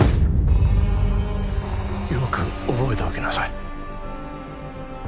よく覚えておきなさい